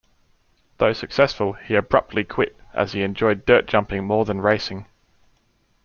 Though successful, he abruptly quit, as he enjoyed dirt jumping more than racing.